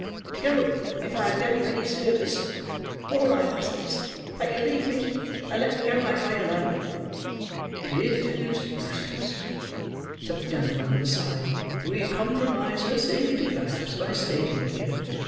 Go! If I have done you any service all I ask is, that you leave me, and let me go my way alone." "It is useless," said the gentleman, with a sigh. "We compromise her safety, perhaps, by staying here.